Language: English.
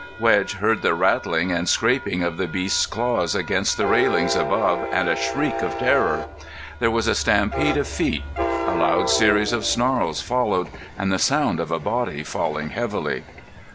Wedge heard the rattling and scraping of the beast's claws against the railings above and a shriek of terror. There was a stampede of feet. A loud series of snarls followed and the sound of a body falling heavily.